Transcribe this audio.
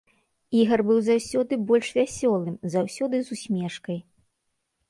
Ігар быў заўсёды больш вясёлым, заўсёды з усмешкай.